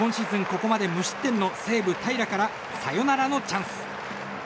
ここまで無失点の西武の平良からサヨナラのチャンス。